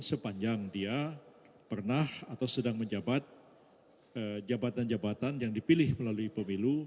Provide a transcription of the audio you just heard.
sepanjang dia pernah atau sedang menjabat jabatan jabatan yang dipilih melalui pemilu